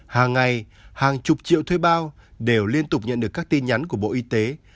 hàng ngày hàng chục triệu thuê bao đều liên tục nhận được các tin nhắn của bộ y tế